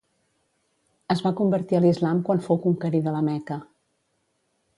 Es va convertir a l'islam quan fou conquerida la Meca.